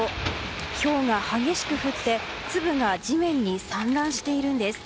ひょうが激しく降って粒が地面に散乱しているんです。